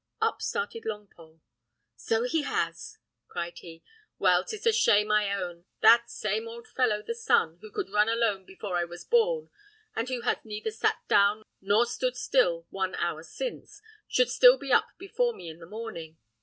Up started Longpole. "So he has!" cried he; "well, 'tis a shame, I own, that that same old fellow the sun, who could run alone before I was born, and who has neither sat down nor stood still one hour since, should still be up before me in the morning.